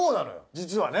実はね。